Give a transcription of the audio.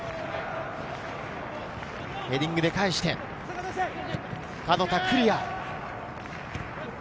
ヘディングで返して、門田がクリア。